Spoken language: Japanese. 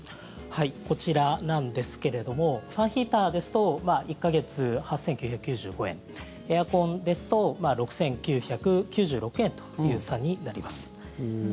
こちらなんですけれどもファンヒーターですと１か月８９９５円エアコンですと６９９６円という差になります。